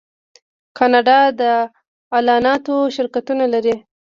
کاناډا د اعلاناتو شرکتونه لري.